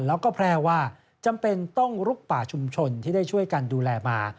แล้วก็แพร่ว่าจำเป็นต้องลุกป่าชุมชนที่ได้ช่วยกันดูแลมา